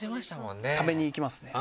食べに行きますね。